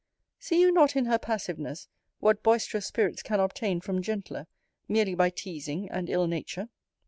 See you not in her passiveness, what boisterous spirits can obtain from gentler, merely by teasing and ill nature?